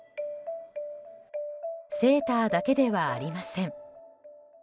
セーターだけではありません。